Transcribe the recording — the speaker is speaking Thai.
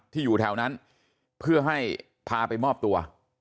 อยู่แถวนั้นเพื่อให้พาไปมอบตัว